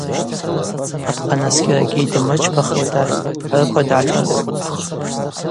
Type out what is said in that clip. Апхъанаскӏьаракӏгьи йдымрычпахуата хӏырква дгӏашӏаркӏытӏ.